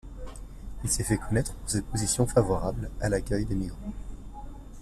Il s'est fait connaître pour ses positions favorables à l’accueil des migrants.